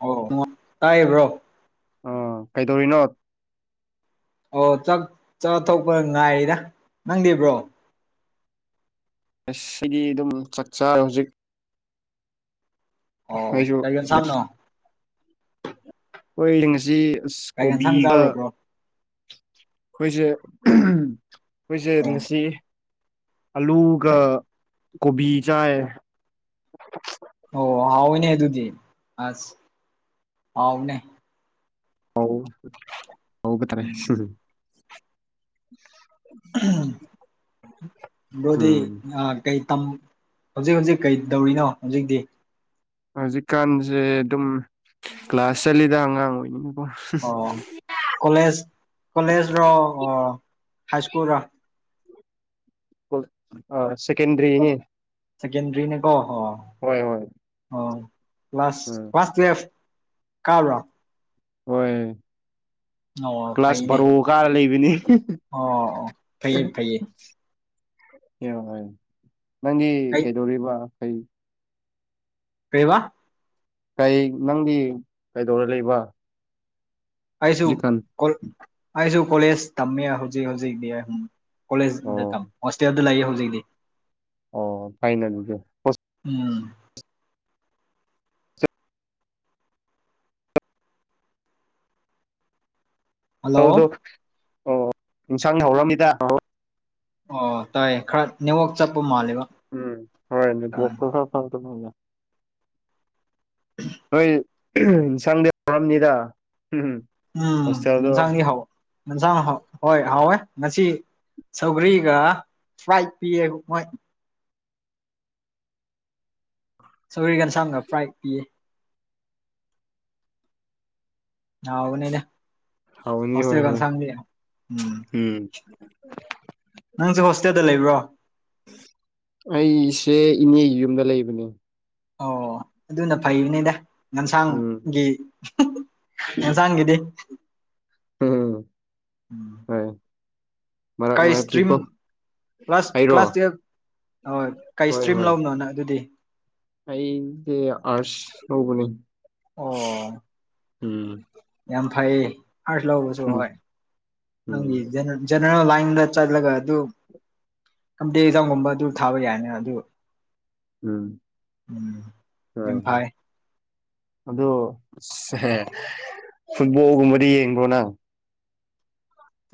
ꯑꯣ ꯇꯥꯏꯌꯦ ꯕ꯭ꯔꯣ ꯑꯥ ꯀꯩꯗꯧꯋꯤꯅꯣꯠ ꯑꯣ ꯆꯥꯛ ꯆꯥꯊꯣꯛꯄ ꯉꯥꯏꯔꯤꯔ ꯅꯪꯗꯤ ꯕ꯭ꯔꯣ ꯑꯁ ꯑꯩꯗꯤ ꯑꯗꯨꯝ ꯆꯥꯛꯆꯥꯔ ꯍꯧꯖꯤꯛ ꯑꯣ ꯑꯩꯁꯨ ꯀꯩ ꯏꯟꯁꯥꯡꯅꯣ ꯍꯣꯏ ꯂꯤꯡꯉꯖꯤ ꯑꯁ ꯀꯔꯤ ꯌꯦꯟꯁꯥꯡ ꯀꯣꯕꯤꯒ ꯆꯥꯔꯨꯕ꯭ꯔꯣ ꯑꯩꯈꯣꯏꯁꯦ ꯎꯝ ꯑꯩꯈꯣꯏꯁꯦ ꯑꯣ ꯉꯁꯤ ꯑꯜꯂꯨꯒ ꯀꯣꯕꯤ ꯆꯥꯏꯌꯦ ꯑꯧ ꯍꯥꯎꯏꯅꯦ ꯑꯗꯨꯨꯗꯤ ꯑꯁ ꯍꯥꯎꯅꯦ ꯎꯝ [unintelligible] ꯕ꯭ꯔꯣꯗꯤ ꯎꯝ ꯑ ꯀꯩ ꯇꯝ ꯍꯧꯖꯤꯛ ꯍꯧꯖꯤꯛ ꯀꯩ ꯇꯧꯔꯤꯅꯣ ꯍꯧꯖꯤꯛꯇꯤ ꯍꯧꯖꯤꯛꯀꯥꯟꯁꯦ ꯑꯗꯨꯝ ꯀ꯭ꯂꯥꯁ ꯆꯠꯂꯤꯗ ꯑꯉꯥꯡ ꯑꯣꯏꯅꯤꯡ ꯑꯣ ꯀꯣꯂꯦꯖ ꯀꯣꯂꯦꯖꯔꯣ ꯑꯣ ꯍꯥꯏ ꯁ꯭ꯀꯨꯜꯔꯣ ꯀꯨꯜ ꯑ ꯁꯦꯀꯦꯟꯗꯔꯤꯅꯤ ꯁꯦꯀꯦꯟꯗꯔꯤꯅꯦꯀꯣ ꯍꯣ ꯍꯣꯏ ꯍꯣꯏ ꯑꯣ ꯀ꯭ꯂꯥꯁ ꯎꯝ ꯀ꯭ꯂꯥꯁ ꯇꯨꯌꯦꯜꯐ ꯀꯥꯔꯕ꯭ꯔꯣ ꯍꯣꯏ ꯑꯣ ꯀ꯭ꯂꯥꯁ ꯐꯩꯅꯦ ꯕꯥꯔꯣ ꯀꯥꯔ ꯂꯩꯕꯤꯅꯤ ꯑꯣ ꯑꯣ ꯐꯩꯌꯦ [unintelligible] ꯐꯩꯌꯦ ꯅꯪꯒꯤ ꯀꯩ ꯀꯩꯗꯧꯔꯤꯕ ꯀꯩ ꯀꯩꯕꯥ ꯀꯩ ꯅꯪꯗꯤ ꯀꯩꯗꯧꯔ ꯂꯩꯕ ꯑꯩꯁꯨ ꯍꯧꯖꯤꯛꯀꯥꯟ ꯀꯣ ꯑꯩꯁꯨ ꯀꯣꯂꯦꯖ ꯇꯝꯃꯦꯌꯦ ꯍꯧꯖꯤꯛ ꯍꯧꯖꯤꯛꯗꯤꯝ ꯀꯣꯂꯦꯖ ꯑꯣ ꯗꯇꯝ ꯍꯣꯁꯇꯦꯜꯗ ꯂꯩꯌꯦ ꯍꯧꯖꯤꯛꯇꯤ ꯑꯣ ꯐꯩꯅꯩ ꯑꯗꯨꯗꯤ ꯍꯣꯁ ꯎꯝ ꯍꯣꯁꯇꯦꯜꯗꯣ ꯍꯜꯂꯣ ꯑꯗꯨꯗꯣꯛ ꯑꯣ ꯏꯟꯁꯥꯡ ꯍꯥꯎꯔꯝꯅꯤꯗ ꯑꯣ ꯇꯥꯏꯌꯦ ꯈꯔ ꯅꯦꯋꯥꯛ ꯆꯞꯄ ꯃꯥꯜꯂꯦꯕ ꯎꯝ [unintelligible] ꯅꯣꯏ ꯏꯟꯁꯥꯡꯗꯤ ꯍꯥꯎꯔꯝꯅꯤꯗ ꯎꯝ ꯎꯝ ꯍꯣꯁꯇꯦꯜꯗꯣ ꯏꯟꯁꯥꯡꯗꯤ ꯍꯥꯎꯋꯦ ꯌꯦꯟꯁꯥꯡ ꯍꯥꯎ ꯍꯣꯏ ꯍꯥꯎꯋꯦ ꯉꯁꯤ ꯁꯧꯒ꯭ꯔꯤꯒ ꯐ꯭ꯔꯥꯏꯗ ꯄꯤꯌꯦ ꯃꯣꯏ ꯁꯧꯒ꯭ꯔꯤꯒꯟꯁꯥꯡꯒ ꯐ꯭ꯔꯥꯏꯗ ꯄꯤꯌꯦ ꯍꯥꯎꯕꯅꯤꯗ ꯍꯥꯎꯅꯤ ꯍꯣꯏ ꯍꯣꯁꯇꯦꯜ ꯍꯣꯏ ꯑꯦꯟꯁꯥꯡꯗꯤ ꯎꯝ ꯅꯪꯁꯨ ꯍꯣꯁꯇꯦꯜꯗ ꯂꯩꯕ꯭ꯔꯣ ꯑꯩꯁꯦ ꯏꯅꯦꯒꯤ ꯌꯨꯝꯗ ꯂꯩꯕꯅꯦ ꯑꯣ ꯑꯗꯨꯅ ꯐꯩꯅꯤꯗ ꯎꯝ ꯂꯝꯁꯥꯡꯒꯤ ꯅꯁꯥꯡꯒꯤꯗꯤ ꯎꯝ [unintelligible] ꯀꯩ ꯏꯁꯇ꯭ꯔꯤꯝ [unintelligible] ꯀ꯭ꯂꯥꯁ ꯑꯩꯔꯣ ꯀ꯭ꯂꯥꯁ ꯇꯨꯌꯦꯜꯞ ꯍꯣꯏ ꯀꯩ ꯏꯁꯇ꯭ꯔꯤꯝ ꯂꯧꯕꯅꯣ ꯑꯗꯨꯗꯤ ꯑꯩꯗꯤꯦ ꯑꯁ ꯅꯕꯨꯅꯤ ꯑꯣ ꯎꯝ ꯌꯥꯝ ꯐꯩ ꯑꯔꯁ ꯂꯧꯕꯁꯨ ꯎꯝ ꯍꯣꯏ ꯎꯝ ꯅꯪꯒꯤ [unintelligible] ꯖꯦꯅꯔꯦꯜ ꯂꯥꯏꯟꯗ ꯆꯠꯂꯒ ꯑꯗꯨ ꯀꯝꯇꯦ ꯑꯦꯛꯖꯥꯎꯝꯒꯨꯝꯕ ꯑꯗꯨ ꯊꯥꯕ ꯌꯥꯏꯅꯤ ꯑꯗꯨ ꯎꯝ ꯎꯝ ꯌꯥꯝ ꯍꯣꯏ ꯐꯩ ꯑꯗꯣꯍꯦ ꯐꯨꯠꯕꯣꯜꯒꯨꯝꯕꯗꯤ ꯌꯦꯡꯕ꯭ꯔꯣ ꯅꯪ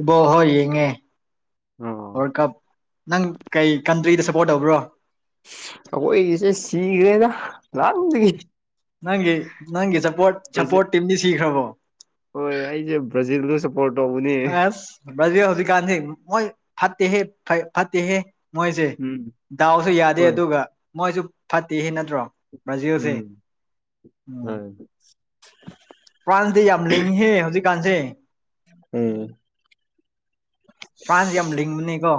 ꯏꯕꯣ ꯍꯣꯏ ꯌꯦꯡꯉꯦ ꯑꯣꯔ ꯀꯞ ꯅꯪ ꯀꯩ ꯀꯟꯇ꯭ꯔꯤꯗ ꯁꯞꯄꯣꯔꯠ ꯇꯧꯕ꯭ꯔꯣ ꯑꯈꯣꯏꯒꯤꯁꯦ ꯁꯤꯒ꯭ꯔꯦꯗ ꯅꯍꯥꯟꯗꯒꯤ ꯅꯪꯒꯤ ꯅꯪꯒꯤ ꯁꯄꯣꯔꯠ ꯕ꯭ꯔꯥꯖꯤꯜ ꯁꯞꯄꯣꯔꯠ ꯇꯤꯝꯗꯤ ꯁꯤꯈ꯭ꯔꯕꯣ ꯍꯣꯏ ꯑꯩꯖꯩ ꯕ꯭ꯔꯖꯤꯜꯗꯣ ꯁꯞ ꯄꯣꯜ ꯇꯧꯕꯅꯤ ꯑꯁ ꯕ꯭ꯔꯖ‌ꯦ ꯍꯧꯖꯤꯛꯀꯥꯟꯖꯦ ꯃꯣꯏ ꯐꯠꯇꯦꯍꯦ ꯐꯩ ꯐꯠꯇꯦꯍꯦ ꯃꯣꯏꯁꯦ ꯎꯝ ꯗꯥꯎꯁꯨ ꯌꯥꯗꯦ ꯍꯣꯏ ꯑꯗꯨꯒ ꯃꯣꯏꯁꯨ ꯐꯠꯇꯦꯍ‌ꯦ ꯅꯠꯇ꯭ꯔꯣ ꯕ꯭ꯔꯖꯤꯜꯁꯦ ꯎꯝ ꯎꯝ ꯍꯣꯏ ꯐ꯭ꯔꯥꯟꯁꯗꯤ ꯌꯥꯝ ꯂꯤꯡꯉꯤꯍꯦ ꯍꯧꯖꯤꯛꯀꯥꯟꯁꯦ ꯎꯝ ꯐ꯭ꯔꯥꯟꯁ ꯌꯥꯝ ꯂꯤꯡꯕꯅꯤꯀꯣ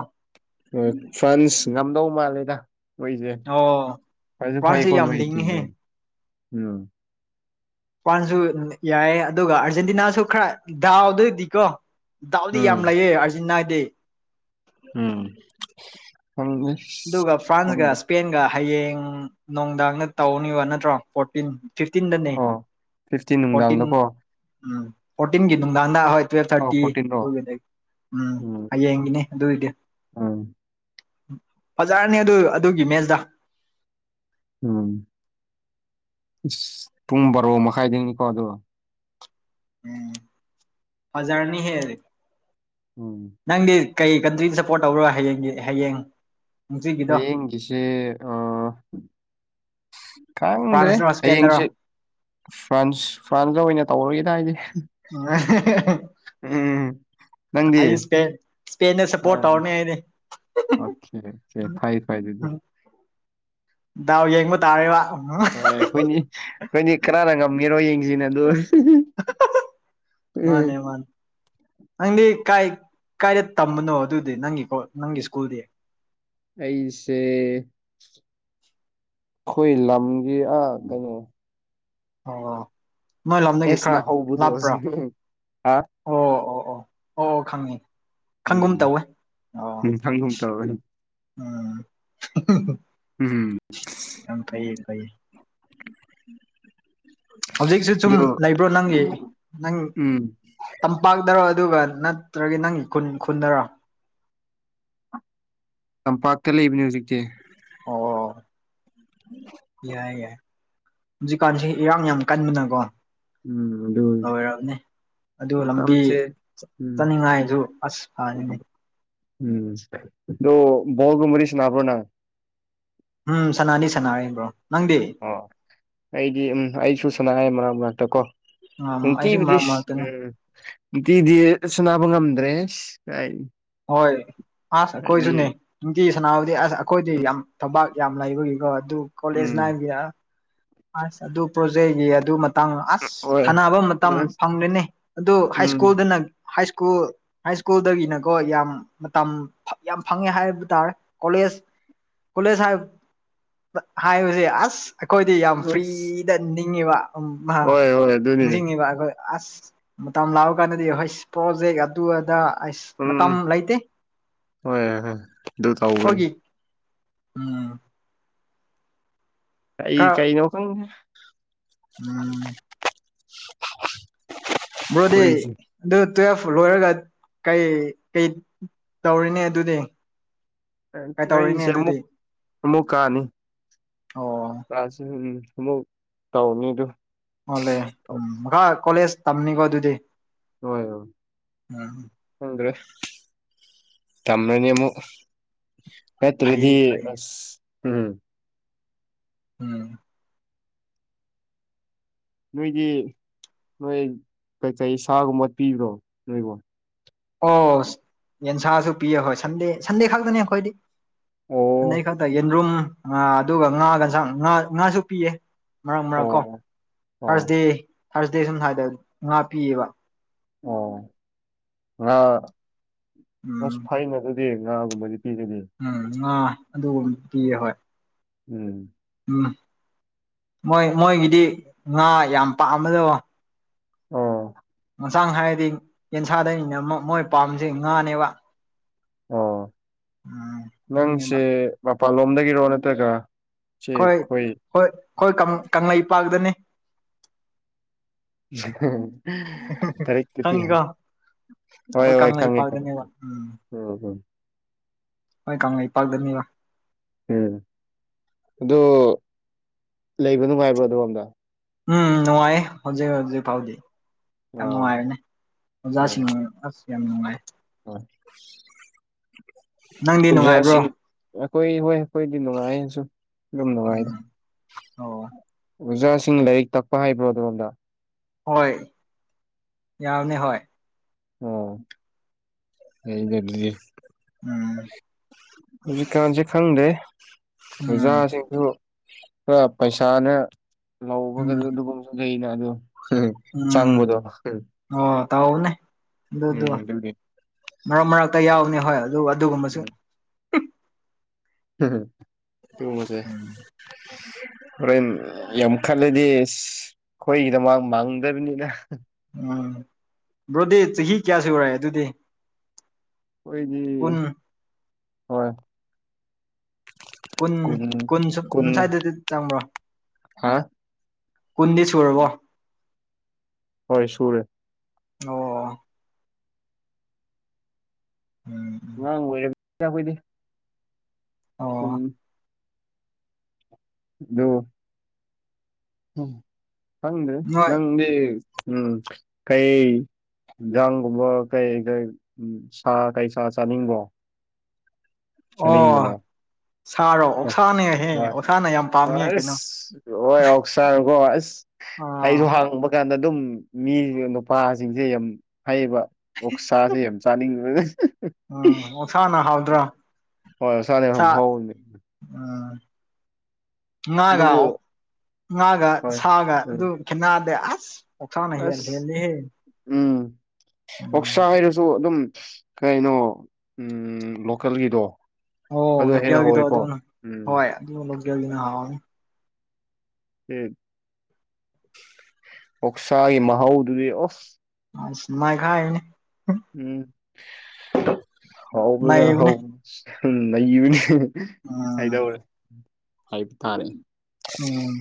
ꯍ ꯐ꯭ꯔꯥꯟꯁ ꯉꯝꯗꯧ ꯃꯥꯜꯂꯦꯗ ꯃꯣꯏꯁꯦ ꯑꯣ ꯐꯁꯨ ꯐ꯭ꯔꯥꯟꯁꯁꯦ ꯐꯩꯀꯣ ꯌꯥꯝ ꯃꯣꯏ ꯂꯤꯡꯉꯤꯍꯦ ꯊꯤꯕꯗꯣ ꯎꯝ ꯃꯄꯥꯟꯁꯨ ꯌꯥꯏ ꯑꯗꯨꯒ ꯑꯥꯔꯖꯦꯟꯇꯤꯅꯥꯁꯨ ꯈꯔ ꯗꯥꯎꯗꯣꯏꯗꯤꯀꯣ ꯗꯥꯎꯗꯤ ꯌꯥꯝ ꯎꯝ ꯂꯩꯑ ꯑꯥꯔꯖꯤꯅꯥꯗꯤ ꯎꯝ ꯍꯦ ꯑꯗꯨꯒ ꯐ꯭ꯔꯥꯟꯁꯀ ꯏꯁꯄꯦꯟꯒ ꯍꯌꯦꯡ ꯅꯨꯡꯗꯥꯡꯗ ꯇꯧꯅꯤꯕ ꯅꯠꯇ꯭ꯔꯣ ꯐꯣꯔꯇꯤꯟ ꯐꯤꯐꯇꯤꯟꯗꯅꯦ ꯑꯣ ꯐꯤꯐꯇꯤꯟ ꯐꯣꯔꯇꯤꯟ ꯅꯨꯡꯗꯥꯡꯗꯀꯣ ꯎꯝ ꯐꯣꯔꯇꯤꯟꯒꯤ ꯅꯨꯡꯗꯥꯡꯗ ꯍꯣꯏ ꯇꯨꯋꯦꯜꯞ ꯑꯧ ꯊꯥꯔꯇꯤ ꯐꯣꯔꯇꯤꯟꯔꯣ ꯑꯗꯨꯒꯤꯗꯤ ꯎꯝ ꯍꯌꯦꯡꯒꯤꯅꯤ ꯑꯗꯨꯏꯗꯤ ꯑꯥ ꯐꯖꯔꯅꯤ ꯑꯗꯨ ꯑꯗꯨꯒꯤ ꯃꯦꯁꯇ ꯎꯝ ꯏꯁ ꯄꯨꯡ ꯕꯥꯔꯣ ꯃꯈꯥꯏꯗꯒꯤꯅꯤꯀꯣ ꯑꯗꯣ ꯎꯝ ꯍꯖꯔꯅꯤ ꯍꯦꯔ ꯍꯝ ꯅꯪꯗꯤ ꯀꯩ ꯀꯟꯇ꯭ꯔꯤꯗ ꯁꯞꯄꯣꯔꯠ ꯇꯧꯕ꯭ꯔ ꯍꯌꯦꯡꯒꯤ ꯍꯌꯦꯡ ꯍꯧꯖꯤꯛꯀꯤꯗꯣ ꯍꯌꯦꯡꯒꯤꯁꯦ ꯀꯉ꯭ꯔꯦ ꯐ꯭ꯔꯥꯟꯁꯔꯣ ꯏꯁꯄꯦꯟꯗꯔꯣ ꯍꯌꯦꯡꯁꯤꯦ ꯐ꯭ꯔꯥꯟꯁ ꯐ꯭ꯔꯥꯟꯁꯗ ꯑꯣꯏꯅ ꯇꯧꯔꯒꯦꯅ ꯍꯥꯏꯗꯤ ꯎ ꯎꯝ ꯅꯪꯗꯤ ꯍꯥꯏ ꯏꯁꯄꯦ ꯏꯁꯄꯦꯟꯗ ꯁꯞꯄꯣꯔꯠ ꯑꯣꯀꯦ ꯇꯧꯔꯅꯤ ꯑꯩꯗꯤ ꯑꯣꯀꯦ ꯐꯩ ꯐꯩ ꯑꯗꯨꯗꯤ ꯗꯥꯎ ꯌꯦꯡꯕ ꯇꯥꯔꯦꯕ ꯎ ꯍꯣꯏ ꯑꯩꯈꯣꯏꯅꯤ ꯑꯩꯈꯣꯏꯅꯤ ꯀꯅꯥꯅ ꯉꯝꯒꯦꯔꯣ ꯌꯦꯡꯁꯤꯅꯦ ꯑꯗꯨ ꯎꯝ ꯃꯥꯅꯦ ꯃꯥꯅꯦ ꯅꯪꯗꯤ ꯀꯥꯏ ꯀꯥꯏꯗ ꯇꯝꯕꯅꯣ ꯑꯗꯨꯗꯤ ꯅꯪꯒꯤ ꯅꯪꯒꯤ ꯁ꯭ꯀꯨꯜꯗꯤ ꯑꯩꯁꯦ [inaudible] ꯈꯣꯏ ꯂꯝꯒꯤ ꯑ ꯀꯩꯅꯣ ꯑꯣ ꯃꯣꯏ ꯂꯝꯗꯒꯤ ꯑꯦꯁꯅ ꯈꯔ ꯍꯧꯕꯗꯣ ꯂꯥꯞꯄ꯭ꯔꯥ ꯍꯥ ꯑꯣ ꯑꯣ ꯑꯣ ꯑꯣ ꯑꯣ ꯈꯪꯉꯤ ꯈꯪꯒꯨꯝ ꯎꯝ ꯇꯧꯋꯦ ꯑꯣ ꯎꯝ ꯈꯪꯒꯨꯝ ꯇꯧꯋꯦ ꯎꯝ ꯎꯝꯝ ꯌꯥꯝ ꯐꯩꯌꯦ ꯐꯩꯌꯦ ꯍꯧꯖꯤꯛꯁꯤ ꯁꯨꯝ ꯂꯩꯕ꯭ꯔꯣ ꯅꯪꯒꯤ ꯅꯪ ꯎꯝ ꯇꯝꯄꯥꯛꯇꯔꯣ ꯑꯗꯨꯒ ꯅꯠꯇ꯭ꯔꯒ ꯅꯪꯒꯤ ꯈꯨꯟ ꯈꯨꯟꯗꯔꯣ ꯇꯝꯄꯥꯛꯇ ꯂꯩꯕꯅꯦ ꯍꯧꯖꯤꯛꯇꯤ ꯑꯣ ꯌꯥꯏ ꯌꯥꯏ ꯍꯧꯖꯤꯛꯀꯥꯟꯁꯤꯦ ꯏꯔꯥꯡ ꯌꯥꯝ ꯀꯟꯕꯅꯀꯣ ꯎꯝ ꯑꯗꯨ ꯂꯣꯏꯔꯕꯅꯦ ꯑꯗꯨ ꯂꯝꯕꯤ ꯃꯇꯝꯁꯦ ꯎꯝ ꯆꯠꯅꯤꯡꯉꯥꯏꯗꯨ ꯑꯁ ꯐꯅꯤꯅꯦ ꯎꯝ ꯑꯗꯣ ꯕꯣꯜꯒꯨꯝꯕꯗꯤ ꯁꯥꯟꯅꯕꯔꯣ ꯅꯪ ꯎꯝ ꯁꯅꯥꯅꯤ ꯁꯅꯥꯔꯕ꯭ꯔꯣ ꯅꯪꯗꯤ ꯑꯣ ꯑꯩꯗꯤ ꯎꯝ ꯑꯩꯁꯨ ꯁꯅꯥꯔ ꯃꯅꯥꯛ ꯃꯅꯥꯛꯇ ꯀꯣ ꯎꯝ ꯏꯀꯤ ꯑꯩꯁꯨ ꯃꯔꯛ ꯕ꯭ꯇꯤꯁ ꯃꯔꯛꯇꯅꯦ ꯎꯝ ꯅꯨꯡꯇꯤꯗꯤ ꯁꯨꯅꯥꯕ ꯉꯝꯗ꯭ꯔꯦ ꯀꯥꯏ ꯍꯣꯏ ꯑꯁ ꯀꯣꯏꯁꯨꯅꯦ ꯅꯨꯡꯇꯤ ꯁꯅꯥꯕꯨꯗꯤ ꯑꯁ ꯑꯩꯈꯣꯏꯗꯤ ꯌꯥꯝ ꯊꯕꯥꯛ ꯌꯥꯝ ꯂꯩꯕꯒꯤꯀꯣ ꯑꯗꯨ ꯀꯣꯂꯦꯖ ꯎꯝ ꯂꯥꯏꯐꯒꯤ ꯑ ꯑꯗꯨ ꯄꯣꯖꯦꯛꯒꯤ ꯑꯗꯨ ꯃꯇꯥꯡ ꯑꯁ ꯍꯣꯏ ꯁꯥꯟꯅꯕ ꯃꯇꯝ ꯐꯪꯦꯅꯦ ꯑꯗꯨ ꯍꯥꯏ ꯎꯝ ꯁ꯭ꯀꯨꯜꯗꯅ ꯍꯥꯏ ꯁ꯭ꯀꯨꯜ ꯍꯥꯏ ꯁ꯭ꯀꯨꯜꯗꯒꯤꯅꯀꯣ ꯌꯥꯝ ꯃꯇꯝ ꯌꯥꯝ ꯐꯪꯉꯦ ꯍꯥꯏꯕ ꯇꯥꯔꯦ ꯀꯣꯂꯦꯖ ꯀꯂꯦ ꯁꯥ ꯍꯥꯏꯁ ꯑꯁ ꯀꯣꯏ ꯗꯤ ꯌꯥꯝ ꯐ꯭ꯔꯤꯗ ꯅꯤꯡꯉꯤꯕ ꯍꯣꯏ ꯍꯣꯏ ꯑꯗꯨꯅꯤ ꯅꯤꯡꯁꯤꯡꯉꯤꯕ ꯑꯩꯈꯣꯏ ꯑꯁ ꯃꯇꯝ ꯂꯥꯛꯑ ꯀꯥꯟꯗꯗꯤ ꯍꯣꯏꯁ ꯄ꯭ꯔꯣꯖꯦꯛ ꯑꯗꯨ ꯑꯗ ꯑꯁ ꯃꯇꯝ ꯎꯝ ꯂꯩꯇꯦ ꯍꯣꯏ ꯑꯗꯨ ꯇꯒꯅꯤ ꯑꯩꯈꯣꯏꯒꯤ ꯎꯝ ꯀꯩ ꯈꯔ ꯀꯩ ꯅꯈꯔꯤ ꯎꯝ ꯕ꯭ꯔꯣꯗꯤ ꯑꯩꯁꯦ ꯑꯗꯨ ꯇꯨꯌꯦꯦꯜꯐ ꯂꯣꯏꯔꯒ ꯀꯩ ꯀꯩ ꯇꯧꯔꯤꯅꯦ ꯑꯗꯨꯗꯤ ꯀꯩ ꯇꯧꯔꯤꯅꯦ ꯑꯩꯁꯦ ꯑꯗꯨꯗꯤ ꯑꯃꯨꯛ ꯑꯃꯨꯛ ꯀꯥꯅꯤ ꯑꯣ ꯆꯥꯁ ꯎꯝ ꯑꯃꯨꯛ ꯇꯧꯅꯤ ꯑꯗꯨ ꯑꯣꯂꯦ ꯎꯝ ꯃꯈꯥ ꯀꯣꯂꯦꯖ ꯇꯝꯅꯤꯀꯣ ꯑꯗꯨꯗꯤ ꯍꯣꯏ ꯎꯝ ꯍ ꯎ꯭ꯔ ꯇꯃꯦꯅꯤꯃꯨ ꯐꯩ ꯍꯠꯇꯔꯤꯗꯤ ꯐꯩ ꯑ ꯎꯝ ꯎꯝ ꯅꯣꯏꯒꯤ ꯅꯣꯏ ꯀ ꯆꯍꯤ ꯁꯥꯒꯨꯝꯕ ꯄꯤꯕ꯭ꯔꯣ ꯅꯣꯏꯕꯣ ꯑꯣ ꯌꯦꯟꯁꯥꯁꯨ ꯄꯤꯑ ꯍꯣꯏ ꯁꯟꯗꯦ ꯁꯟꯗꯦ ꯈꯛꯇꯅꯦ ꯑꯩꯈꯣꯏꯗꯤ ꯑꯣ ꯑꯟꯗꯩ ꯈꯛꯇ ꯌꯦꯟꯗ꯭ꯔꯨꯝ ꯉꯥ ꯑꯗꯨꯒ ꯉꯥꯒꯟꯁꯥꯡ ꯉꯥ ꯉꯥꯁꯨ ꯄꯤꯌꯦ ꯃꯔꯛ ꯃꯔꯛ ꯀꯣ ꯑꯣ ꯑꯣ ꯊꯥꯔꯁꯗꯦ ꯊꯥꯔꯁꯗꯦ ꯁꯝ ꯁ꯭ꯋꯥꯏꯗ ꯉꯥ ꯄꯤꯌꯦꯕ ꯑꯣ ꯎꯝ ꯉꯁ ꯐꯥꯏꯅ ꯆꯦ ꯉꯥꯒꯨꯝꯕꯗꯤ ꯄꯤꯒꯅꯤ ꯎꯝ ꯉꯥ ꯑꯗꯨꯒꯨꯝꯕꯗꯤ ꯍꯣꯏ ꯎꯝ ꯎꯝ ꯃꯣꯏ ꯃꯣꯏꯒꯤꯗꯤ ꯉꯥ ꯌꯥꯝ ꯄꯥꯝꯃꯗꯕ ꯑꯣ ꯍꯛꯆꯥꯡ ꯍꯥꯏꯔꯗꯤ ꯌꯦꯟꯁꯥꯗꯅꯤꯅ ꯃꯣꯏ ꯄꯥꯝꯁꯦ ꯉꯥꯅꯦꯕ ꯑꯣ ꯎꯝ ꯅꯪꯁꯦ ꯑꯗꯨꯅꯦꯕ ꯃꯄꯥꯟꯂꯣꯝꯗꯒꯤꯔꯣ ꯅꯠꯇ꯭ꯔꯒ ꯆꯦ ꯑꯩꯈꯣꯏ ꯍꯣꯏ ꯍꯣꯏ ꯍꯣꯏ ꯀꯪꯂꯩꯄꯥꯛꯇꯅꯤ ꯇꯔꯦꯊꯤ ꯌꯥꯝ ꯈꯪꯉꯤꯀꯣ ꯍꯣꯏ ꯑꯩꯈꯣꯏ ꯍꯣꯏ ꯈꯪꯉꯦꯪꯉꯦꯉ ꯀꯪꯂꯩꯄꯥꯛꯇꯅꯦꯕ ꯎꯝ ꯎꯝ ꯎꯝ ꯍꯣꯏ ꯀꯥꯉ ꯄꯔꯗꯅꯤ ꯎꯝ ꯑꯗꯨ ꯂꯩꯕ ꯅꯨꯡꯉꯥꯏꯕ꯭ꯔꯣ ꯑꯗꯣꯝꯗ ꯎꯝ ꯅꯨꯡꯉꯥꯏ ꯍꯧꯖꯤꯛ ꯍꯧꯖꯤꯛ ꯐꯥꯎꯗꯤ ꯌꯥꯝ ꯑꯣ ꯅꯨꯡꯉꯥꯏꯔꯅꯦ ꯑꯣꯖꯥꯁꯤꯡꯅ ꯑꯁ ꯌꯥꯝ ꯅꯨꯡꯉꯥꯏ ꯅꯪꯗꯤ ꯑꯣꯖꯥ ꯅꯨꯡꯉꯥꯏꯕ꯭ꯔꯣ ꯁꯤꯡ ꯑꯩꯈꯣꯏ ꯍꯣꯏ ꯑꯩꯈꯣꯏꯗꯤ ꯅꯨꯡꯉꯥꯏꯁꯨ ꯑꯗꯨꯝ ꯅꯨꯡꯉꯥꯏꯗ ꯎꯝ ꯑꯣ ꯑꯣꯖꯥꯁꯤꯡ ꯂꯥꯏꯔꯤꯛ ꯇꯛꯄ ꯍꯥꯏꯕ꯭ꯔꯣ ꯑꯗꯣꯝꯗ ꯍꯣꯏ ꯌꯥꯎꯅꯤ ꯍꯣꯏ ꯑꯣ ꯍ ꯎꯝ ꯍꯧꯖꯤꯛꯀꯥꯟꯁꯦ ꯈꯪꯗꯦ ꯎꯝ ꯑꯣꯖꯥꯁꯤꯡ ꯑꯗꯨ ꯈꯔ ꯄꯩꯁꯥꯅ ꯂꯧꯕꯒꯗ ꯎꯝ ꯑꯗꯨꯒꯨꯝꯕꯁꯨ ꯀꯩꯅ ꯑꯗ ꯎꯝ ꯑꯣ ꯇ ꯍꯅꯦ ꯎꯝ ꯑꯗꯨꯗꯨ ꯑꯗꯨꯒꯤ ꯃꯔꯛ ꯃꯔꯛꯇ ꯌꯥꯎꯅꯤ ꯍꯣꯏ ꯑꯗꯨꯒ ꯑꯗꯨꯒꯨꯝꯕꯁꯨ ꯊ ꯃꯖꯦ ꯎꯝ ꯔꯣꯏ ꯌꯥꯝꯈꯥꯂꯦꯗꯤ ꯑꯩꯈꯣꯏꯒꯤꯗꯃꯛ ꯃꯥꯡꯗꯕꯅꯤꯅ ꯎꯝ ꯕ꯭ꯔꯣꯗꯤ ꯆꯍꯤ ꯀꯌꯥ ꯁꯨꯔꯦ ꯑꯗꯨꯗꯤ ꯀꯨꯟ ꯑꯩꯣꯏꯗꯤ ꯍꯣꯏ ꯀꯟ ꯀꯨꯟ ꯀꯟ ꯀꯨꯟ ꯁꯥꯏꯗ ꯆ ꯑꯃ꯭ꯔꯣ ꯀꯟꯗꯤ ꯎꯝ ꯍꯣꯏ ꯁꯨꯔꯦ ꯑꯣ ꯎꯝ ꯎꯝ ꯉꯥꯡ ꯑꯣꯏꯣꯏꯔ ꯆꯈꯣꯏꯗꯤ ꯑꯣ ꯎꯝ ꯑꯗꯨꯣ ꯎꯝ ꯍꯪꯗꯦ ꯅꯣꯏ ꯅꯪꯗꯤ ꯎꯝ ꯀꯩ ꯌꯦꯟꯖꯥꯡꯒꯨꯝꯕ ꯀꯩ ꯀꯩ ꯎ ꯁꯥ ꯀꯩ ꯁꯥ ꯆꯥꯅꯤꯡꯕꯣ ꯑꯣ ꯆꯥꯅꯤꯡꯕꯅꯣ ꯁꯥꯔꯣ ꯍꯣꯏ ꯑꯣꯛꯁꯥꯅꯦꯍꯦ ꯍꯣꯏ ꯑꯣꯁꯥꯅ ꯌꯥꯝ ꯄꯥꯝꯃꯦ ꯀꯩꯅꯣ ꯁꯥꯔꯒꯣ ꯑꯁ ꯑꯥ ꯑꯩꯁꯨ ꯍꯥꯡꯕ ꯀꯥꯟꯗ ꯑꯗꯨꯝ ꯃꯤ ꯅꯨꯄꯥꯁꯤꯡꯁꯦ ꯌꯥꯝ ꯍꯥꯏꯩꯌꯦꯕ ꯑꯣꯛꯁꯥꯁꯦ ꯌꯥꯝ ꯆꯥꯅꯤꯡꯕ ꯃꯁꯥꯅ ꯍꯥꯎꯗ꯭ꯔꯥ ꯍꯣꯏ ꯆꯅꯦꯦ ꯍ ꯑꯥ ꯉꯥꯒ ꯑꯗꯨꯕꯨ ꯉꯥꯒ ꯍꯣꯏ ꯁꯥꯒ ꯑꯗꯨ ꯎꯝ ꯈꯦꯠꯅꯗꯦ ꯑꯁ ꯑꯣꯊꯥꯅ ꯑꯁ ꯍꯦꯜꯂꯤꯍꯦ ꯎꯝ ꯎꯝ ꯑꯣꯣꯛꯁꯥ ꯍꯥꯏꯔꯁꯨ ꯑꯗꯨꯝ ꯀꯩꯅꯣ ꯎ ꯂꯣꯀꯦꯜꯒꯤꯗꯣ ꯑꯣ ꯑꯗꯨ ꯍꯦꯟꯅ ꯂꯣꯀꯦꯜꯒꯤꯗꯣ ꯍꯧꯋꯦꯀꯣ ꯑꯗꯨꯅ ꯎꯝ ꯍꯣꯏ ꯑꯗꯨꯅ ꯂꯣꯀꯦꯜꯒꯤꯅ ꯍꯥꯎꯅꯤ ꯑꯣꯛꯁꯥꯒꯤ ꯃꯍꯥꯎꯗꯨꯗꯤ ꯑꯁ ꯑ ꯃꯥꯏꯒꯅꯦ ꯎꯝ ꯍꯥꯎꯕꯅ ꯍ ꯅꯩꯕꯅꯦ ꯅꯕꯅꯤ ꯎꯝ ꯍꯥꯏꯗꯧꯔꯦ ꯍꯥꯏꯕ ꯇꯥꯔꯦ ꯎꯝ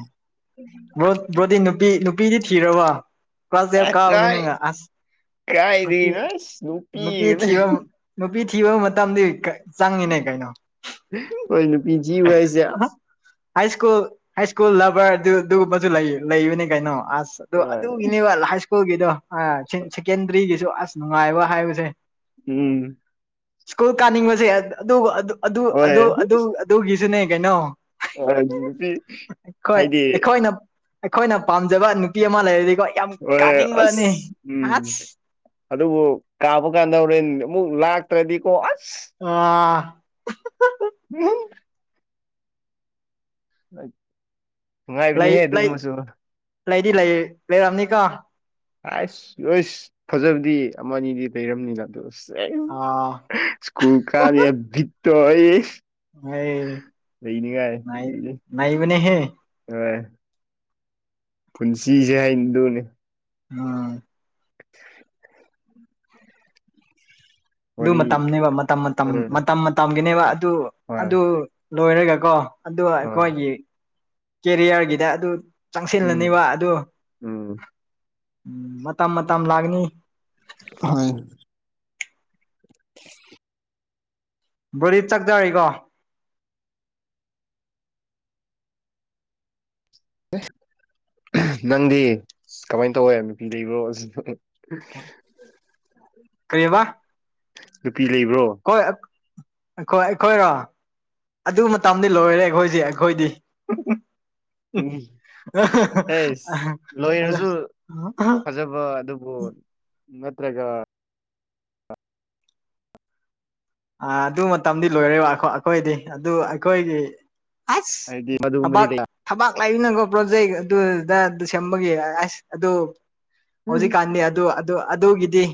ꯕ꯭ꯔꯣꯗꯤ ꯅꯨꯄꯤ ꯅꯨꯄꯤꯗꯤ ꯊꯤꯔꯕ ꯀ꯭ꯂꯥꯁ ꯗꯦꯕ ꯀꯥꯒꯅꯪꯒꯁ ꯀꯥꯏꯗꯅ ꯅꯨꯄꯤ ꯅꯨꯄꯤꯤꯅꯦ ꯊꯤꯕ ꯅꯨꯄꯤ ꯊꯤꯕ ꯃꯇꯝꯗꯤ ꯆꯪꯉꯤꯅꯦ ꯀꯩꯅꯣ ꯀꯣꯏ ꯅꯨꯄꯤꯤꯖꯤ ꯍꯥꯏꯏꯁꯦ ꯍꯥ ꯍꯥꯏ ꯁ꯭ꯀꯨꯜ ꯍꯥꯏ ꯁ꯭ꯀꯨꯜ ꯂꯚꯔ ꯑꯗꯨꯒꯨꯝꯕꯁꯨ ꯂꯩ ꯂꯩꯕꯅꯤ ꯀꯩꯅꯣ ꯑꯁ ꯑꯗꯣ ꯍꯣꯏ ꯑꯗꯨꯒꯤꯅꯦꯕ ꯍꯥꯏ ꯁ꯭ꯀꯨꯜꯒꯤꯗꯣ ꯁꯦꯀꯦꯟꯗꯔꯤꯒꯤꯁꯨ ꯑꯁ ꯅꯨꯡꯉꯥꯏꯕ ꯍꯥꯏꯕꯁꯦ ꯎꯝ ꯁ꯭ꯀꯨꯜ ꯀꯥꯅꯤꯡꯕꯁꯦ ꯍꯣꯏ ꯑꯗꯨꯒꯤꯁꯨꯅꯦ ꯀꯩꯅꯣ ꯅꯨꯄꯤ ꯑꯩꯈꯣꯏ ꯍꯥꯏꯗꯤ ꯑꯩꯈꯣꯏꯅ ꯑꯩꯈꯣꯏꯅ ꯄꯥꯝꯖꯕ ꯅꯨꯄꯤ ꯑꯃ ꯂꯩꯔꯗꯤꯀꯣ ꯌꯥꯝ ꯍꯣꯏ ꯀꯥꯅꯤꯡꯕꯅꯤ ꯑꯁ ꯑꯁ ꯎꯝ ꯑꯗꯨꯕꯨ ꯀꯥꯕ ꯀꯥꯟꯗ ꯍꯣꯔꯦꯟ ꯑꯃꯨꯛ ꯂꯥꯛꯇ꯭ꯔꯗꯤꯀꯣ ꯑꯁ ꯑꯥ ꯎꯝ ꯑ ꯂꯩ ꯂꯩ ꯂꯩꯗꯤ ꯂꯩ ꯂꯩꯔꯝꯅꯤꯀ ꯑꯁ ꯂꯣꯏꯁ ꯐꯖꯕꯗꯤ ꯑꯃꯅꯤꯗꯤ ꯂꯩꯔꯕꯝꯅꯤꯅ ꯑ ꯑꯥ ꯁ꯭ꯀꯨꯜ ꯀꯥꯅꯤ ꯕꯤꯠꯇꯣ ꯑꯩ ꯑꯩ ꯂꯩꯅꯤꯡꯉꯥꯏ ꯅꯩꯕꯅꯦꯍꯦ ꯑ ꯄꯨꯟꯁꯤꯁꯦ ꯍꯥꯏꯗꯨꯅꯦ ꯎꯝ ꯑꯗꯨ ꯋꯥꯔꯤ ꯃꯇꯝꯅꯦꯕ ꯃꯇꯝ ꯃꯇꯝ ꯎꯝ ꯃꯇꯝ ꯃꯇꯝꯒꯤꯅꯦꯕ ꯑꯗꯨ ꯍꯣꯏ ꯑꯗꯨ ꯂꯣꯏꯔꯒ ꯀꯣ ꯑꯗꯨꯒ ꯍꯣꯏ ꯑꯩꯈꯣꯏꯒꯤ ꯀꯦꯔꯤꯌꯔꯒꯤꯗ ꯑꯗꯨ ꯎꯝ ꯆꯪꯁꯤꯜꯂꯅꯦꯕ ꯑꯗꯨ ꯎꯝ ꯎꯝ ꯃꯇꯝ ꯃꯇꯝ ꯂꯥꯛꯅꯤ ꯍ ꯕꯣꯔꯤꯠ ꯆꯠ ꯆꯔꯔꯤꯀꯣ ꯅꯪꯗꯤ ꯀꯃꯥꯏꯅ ꯇꯧꯋꯦ ꯅꯨꯄꯤ ꯂꯩꯕ꯭ꯔꯣ ꯀꯔꯤꯌꯦꯕ ꯅꯨꯄꯤ ꯂꯩꯕ꯭ꯔꯣ ꯑꯩꯈꯣꯏ ꯑꯩꯈꯣꯏ ꯑꯩꯈꯣꯏꯔꯣ ꯑꯗꯨ ꯃꯇꯝꯗꯤ ꯂꯣꯏꯔꯦ ꯑꯩꯈꯣꯏꯁꯦ ꯑꯩꯈꯣꯏꯗꯤ ꯑꯦꯁ ꯑꯗ [unintelligible] ꯑꯗꯨꯕꯣ ꯅꯠꯇ꯭ꯔꯒ ꯑ ꯑꯗꯨ ꯃꯇꯝꯗꯤ ꯂꯣꯏꯔꯦꯕ ꯑꯩꯈꯣꯏꯗꯤ ꯑꯗꯨ ꯑꯩꯈꯣꯏꯒꯤ ꯑꯁ ꯍꯥꯏꯗꯤ ꯃꯗꯨꯒꯨꯝꯕꯗꯤ ꯂꯩ [unintelligible] ꯊꯕꯥꯛ ꯂꯥꯛꯏꯅꯪꯀꯣ ꯄ꯭ꯔꯣꯖꯩ ꯑꯗꯨꯗ ꯑꯗꯨ ꯁꯦꯝꯕꯒꯤꯦ ꯑꯁ ꯑꯗꯨ ꯍꯧꯖꯤꯛꯀꯥꯟꯗꯤ ꯑꯗꯨ ꯑꯗꯨ ꯑꯗꯨꯒꯤꯗꯤ